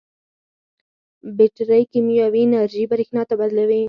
بیټرۍ کیمیاوي انرژي برېښنا ته بدلوي.